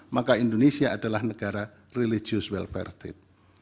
maka indonesia adalah negara religious welfare state